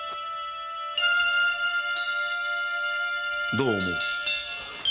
どう思う？